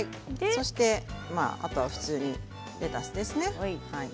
あとは普通にレタスですね。